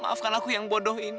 maafkan aku yang bodoh ini